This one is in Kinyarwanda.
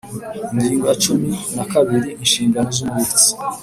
Ingingo ya cumi na kabiri : Inshingano z’Umubitsi